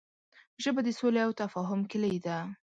ژبه د سولې او تفاهم کلۍ ده